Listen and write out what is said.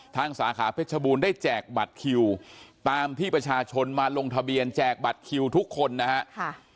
สาขาเพชรบูรณ์ได้แจกบัตรคิวตามที่ประชาชนมาลงทะเบียนแจกบัตรคิวทุกคนนะครับ